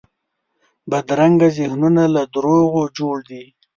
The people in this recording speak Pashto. بدرنګه ذهنونه له دروغو جوړ دي